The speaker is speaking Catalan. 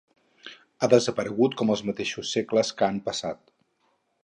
Ha desaparegut com els mateixos segles que han passat.